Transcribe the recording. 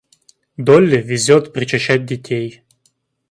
Долли везет причащать детей.